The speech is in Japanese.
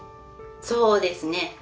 そうですね。